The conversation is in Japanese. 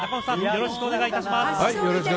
よろしくお願いします。